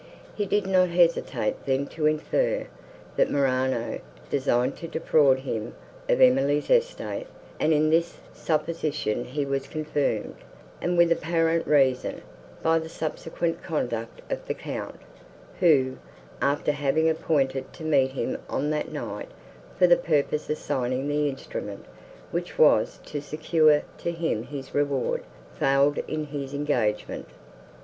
He did not hesitate then to infer, that Morano designed to defraud him of Emily's estate; and in this supposition he was confirmed, and with apparent reason, by the subsequent conduct of the Count, who, after having appointed to meet him on that night, for the purpose of signing the instrument, which was to secure to him his reward, failed in his engagement.